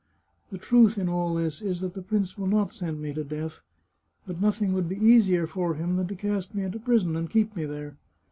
The truth in all this is that the prince will not send me to death, but nothing would be easier for him than to cast me into prison and keep me there.